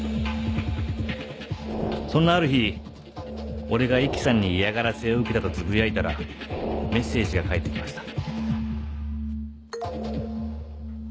そんなある日俺が壱岐さんに嫌がらせを受けたと呟いたらメッセージが返ってきました。